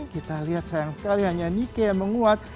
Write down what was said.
kita lihat sayang sekali hanya nike yang menguat